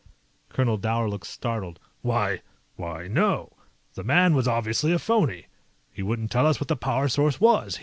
Colonel Dower looked startled. "Why ... why, no. The man was obviously a phony. He wouldn't tell us what the power source was.